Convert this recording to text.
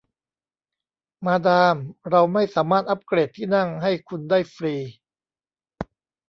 มาดามเราไม่สามารถอัพเกรดที่นั่งให้คุณได้ฟรี